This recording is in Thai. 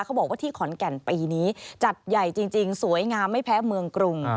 เขาบอกว่าที่ขอนแก่นปีนี้จัดใหญ่จริงสวยงามไม่แพ้เมืองกรุง